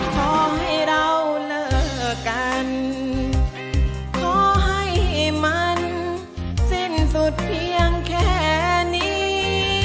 ขอให้เราเลิกกันขอให้มันสิ้นสุดเพียงแค่นี้